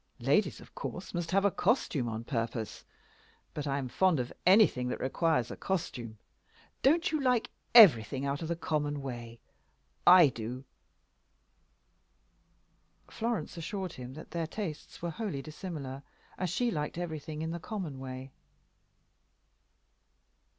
Ladies, of course, must have a costume on purpose. But I am fond of anything that requires a costume. Don't you like everything out of the common way? I do." Florence assured him that their tastes were wholly dissimilar, as she liked everything in the common way.